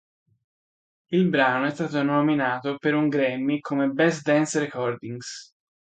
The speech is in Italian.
Il brano è stato nominato per un Grammy come "Best Dance Recordings".